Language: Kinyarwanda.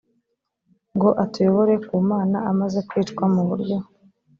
ngo atuyobore ku mana amaze kwicwa mu buryo